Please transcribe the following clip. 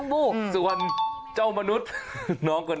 นานพี่เขาเปียกหมดแล้วนะ